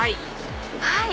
はい！